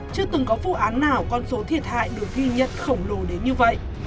chưa từng có phương án nào con số thiệt hại được ghi nhận khổng lồ đến như vậy